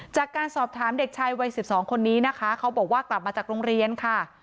จากการสอบถามเด็กชายวัย๑๒คนนี้นะคะเขาบอกว่ากลับมาจากโรงเรียนค่ะ